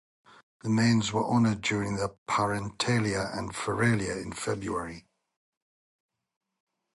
The Manes were honored during the Parentalia and Feralia in February.